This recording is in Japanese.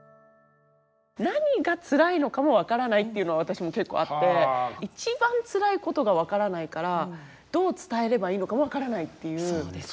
何がつらいのかも分からないっていうのは私も結構あって一番つらいことが分からないからどう伝えればいいのか分からないっていうことも。